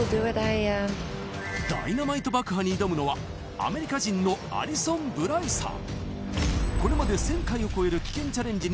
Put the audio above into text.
ダイナマイト爆破に挑むのはアメリカ人のアリソン・ブライさん